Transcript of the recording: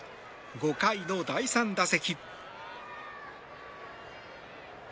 ５回の第３打席。